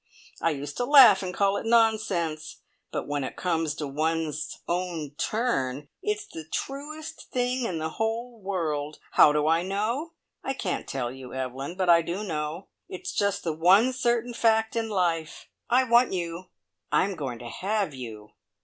I used to laugh and call it nonsense; but when it comes to one's own turn, it's the truest thing in the whole world! How do I know? I can't tell you, Evelyn; but I do know. It's just the one certain fact in life. I want you! I'm going to have you!"